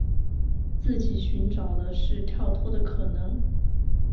自己寻找的是跳脱的可能